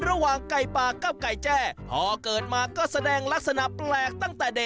ระหว่างไก่ปลากับไก่แจ้พอเกิดมาก็แสดงลักษณะแปลกตั้งแต่เด็ก